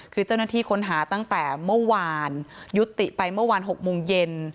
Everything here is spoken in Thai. คือเจ้าหน้าที่ค้นหาตั้งแต่เมื่อวานยุติไปเมื่อวาน๖โมงเย็น